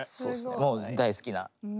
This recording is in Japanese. もう大好きな。